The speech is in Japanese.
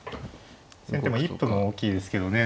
先手も一歩が大きいですけどね